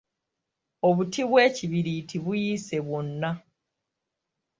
Obuti bw’ekibiriiti buyiise bwonna.